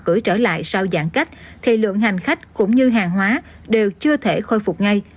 cửa trở lại sau giãn cách thì lượng hành khách cũng như hàng hóa đều chưa thể khôi phục ngay